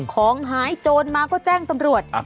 ของหายโจรมาก็แจ้งตำรวจ